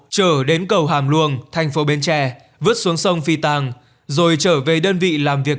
trở đến cầu hàm luông thành phố bến tre vứt xuống sông phi tàng rồi trở về đơn vị làm việc